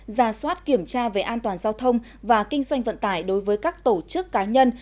ra soát kiểm tra về an toàn giao thông và kinh doanh vận tải đối với các tổ chức cá nhân